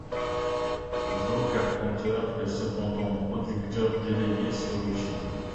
John Carpenter est cependant producteur délégué sur le film.